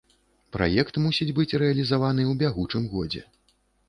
Праект мусіць быць рэалізаваны ў бягучым годзе.